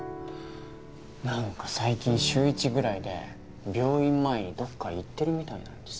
なんか最近週１ぐらいで病院前にどこか行ってるみたいなんですよね。